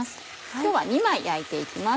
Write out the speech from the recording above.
今日は２枚焼いて行きます。